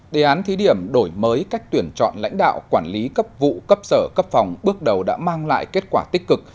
đề án thí điểm đổi mới cách tuyển chọn lãnh đạo quản lý cấp vụ cấp sở cấp phòng bước đầu đã mang lại kết quả tích cực